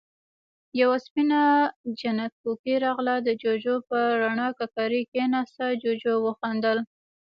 يوه سپينه جنت کوکۍ راغله، د جُوجُو پر رڼه ککری کېناسته، جُوجُو وخندل: